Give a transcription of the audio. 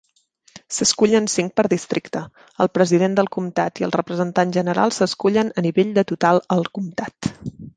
S'escullen cinc per districte, el president del comtat i el representant general s'escullen a nivell de total el comtat.